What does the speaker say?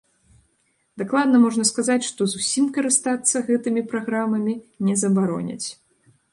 Дакладна можна сказаць, што зусім карыстацца гэтымі праграмамі не забароняць.